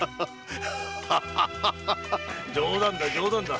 冗談だ冗談だ。